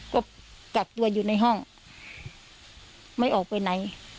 ก็กักตัวอยู่ในห้องไม่ออกไปไหน